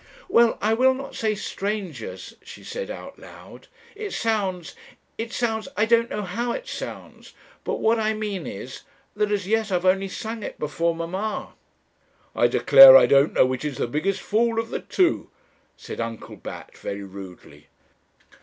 "'Well, I will not say strangers,' she said out loud; 'it sounds it sounds I don't know how it sounds. But what I mean is, that as yet I've only sung it before mamma!'" 'I declare I don't know which is the biggest fool of the two,' said Uncle Bat, very rudely.'